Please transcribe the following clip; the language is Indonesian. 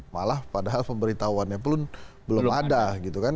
malah padahal pemberitahuan yang belum ada gitu kan